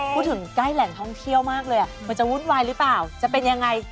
ใกล้แหล่งท่องเที่ยวมากเลยมันจะวุ่นวายหรือเปล่าจะเป็นยังไง